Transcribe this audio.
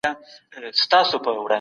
خپل ذهن په سپیڅلو فکرونو روښانه کړئ.